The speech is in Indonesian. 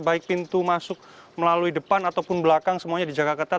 baik pintu masuk melalui depan ataupun belakang semuanya dijaga ketat